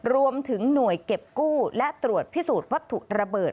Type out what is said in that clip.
รวมถึงหน่วยเก็บกู้และตรวจพิสูจน์วัตถุระเบิด